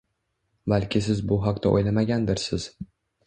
Balki siz bu haqda o‘ylanmagandirsiz